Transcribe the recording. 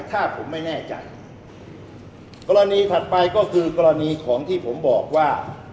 ถ้าผมไม่แน่ใจกรณีถัดไปก็คือกรณีของที่ผมบอกว่า